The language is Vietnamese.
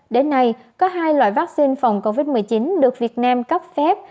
đến nay có hai loại vaccine phòng covid một mươi chín được việt nam cấp phép